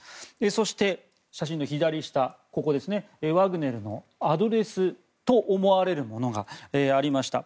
そして、写真の左下ワグネルのアドレスと思われるものがありました。